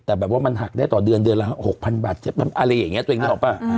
แต่แบบว่ามันหักได้ต่อเดือนเดือนละ๖๐๐บาทเจ็บอะไรอย่างนี้ตัวเองนึกออกป่ะ